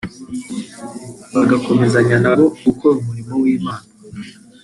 bagakomezanya na bo gukora umurimo w’Imana